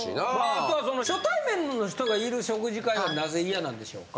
あとはその初対面の人がいる食事会がなぜ嫌なんでしょうか？